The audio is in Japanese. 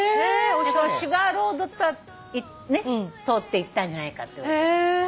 シュガーロード通っていったんじゃないかって。